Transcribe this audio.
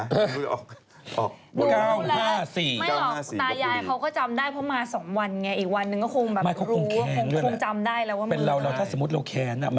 ๙๕๔ไม่หรอกตายายเขาก็จำได้เพราะมา๒วันไงอีกวันหนึ่งก็คงแบบรู้คงจำได้แล้วว่ามันไม่ได้